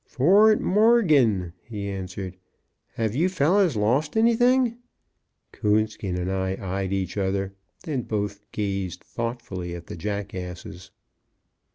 "Fort Morgan," he answered. "Have you fellows lost anything?" Coonskin and I eyed each other, then both gazed thoughtfully at the jackasses.